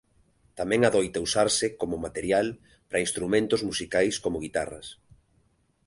Tamén adoita usarse coma material para instrumentos musicais como guitarras.